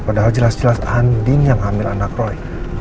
padahal jelas jelas andin yang hamil anak roy